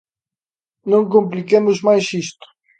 Non compliquemos máis isto.